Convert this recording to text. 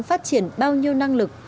phát triển bao nhiêu năng lực